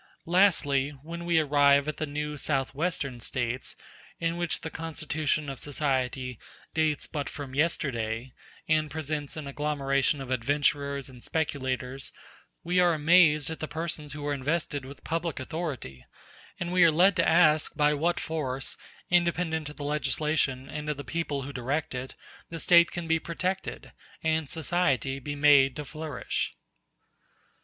Lastly, when we arrive at the new South western States, in which the constitution of society dates but from yesterday, and presents an agglomeration of adventurers and speculators, we are amazed at the persons who are invested with public authority, and we are led to ask by what force, independent of the legislation and of the men who direct it, the State can be protected, and society be made to flourish.